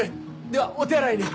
ではお手洗いに。